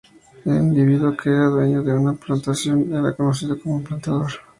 Un individuo que era dueño de una plantación era conocido como un plantador.